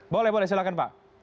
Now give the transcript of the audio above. boleh boleh silakan pak